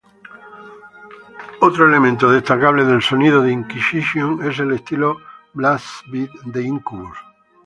Otro elemento destacable del sonido de Inquisition es el estilo "Blast beat" de Incubus.